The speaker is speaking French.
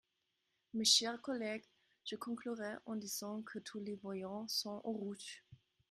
Mes chers collègues, je conclurai en disant que tous les voyants sont au rouge.